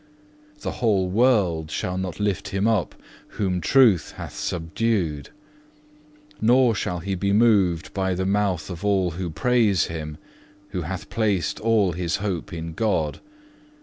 The whole world shall not lift him up whom Truth hath subdued; nor shall he be moved by the mouth of all who praise him, who hath placed all his hope in God.